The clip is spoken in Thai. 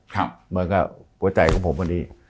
เหมือนกับหัวใจของผมพอดี